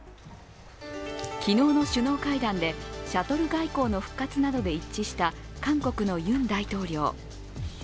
昨日の首脳会談でシャトル外交の復活などで一致した韓国のユン大統領。